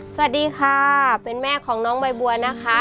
สวัสดีค่ะเป็นแม่ของน้องใบบัวนะคะ